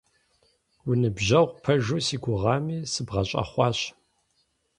Уныбжьэгъу пэжу си гугъами, сыбгъэщӀэхъуащ.